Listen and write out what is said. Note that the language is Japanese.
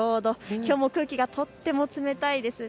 きょうも空気がとっても冷たいですね。